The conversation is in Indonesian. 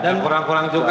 dan kurang kurang juga